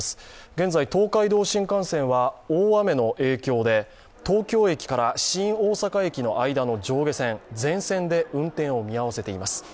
現在、東海道新幹線は大雨の影響で東京駅から新大阪駅の間の上下線、全線で運転を見合わせています。